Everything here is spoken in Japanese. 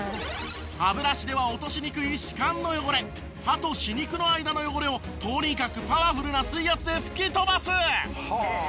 歯ブラシでは落としにくい歯間の汚れ歯と歯肉の間の汚れをとにかくパワフルな水圧で吹き飛ばす！